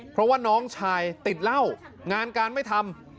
เพราะว่าน้องชายติดเหล้างานการไม่ทำ